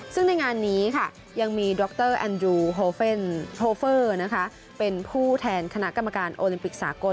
ซึ่งในงานนี้ค่ะยังมีดรแอนยูโฮเฟนโทเฟอร์เป็นผู้แทนคณะกรรมการโอลิมปิกสากล